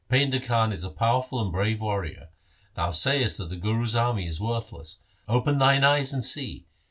Painda Khan is a powerful and brave warrior. Thou sayest that the Guru's army is worthless ; open thine eyes and see.